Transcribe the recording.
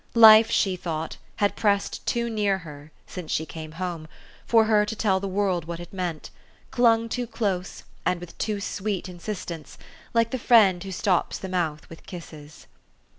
Life, she thought, had pressed too near her, since she came home, for her to tell the world what it meant ; clung too close, and with too sweet insistence, like the friend who stops the mouth with kisses.